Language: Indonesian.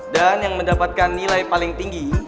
dan yang mendapatkan nilai paling tinggi